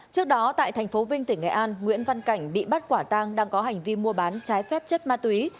trước đó tại thành phố vinh tỉnh nghệ an nguyễn văn cảnh bị bắt quả tang đang có hành vi mua bán trái phép chất ma túy